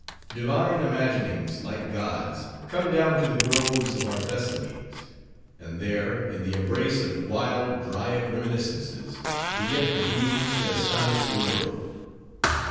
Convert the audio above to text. Divine imaginings, like gods, come down to the groves of our Thessalies, and there, in the embrace of wild, dryad reminiscences, beget the beings that astonish the world.